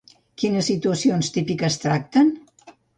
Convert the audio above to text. Quines situacions típiques tracten?